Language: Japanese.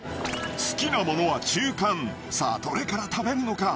好きなものは中間さあどれから食べるのか？